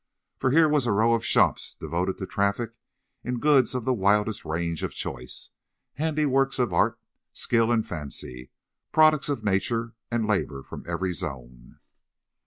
For here was a row of shops devoted to traffic in goods of the widest range of choice—handiworks of art, skill and fancy, products of nature and labour from every zone.